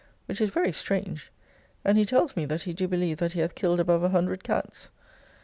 Which is very strange; and he tells me that he do believe that he hath killed above 100 cats.